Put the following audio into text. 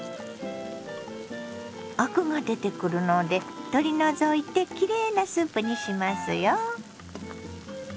アクが出てくるので取り除いてきれいなスープにしますよ。